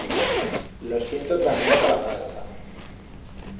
La siento tramenar ta la falsa.